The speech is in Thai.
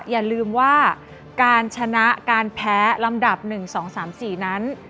อย่าลืมว่าการชนะการแพ้ลำดับ๑๒๓๔นั้น